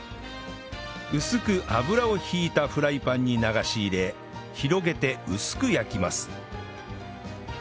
薄く油を引いたフライパンに流し入れ広げて薄く焼きます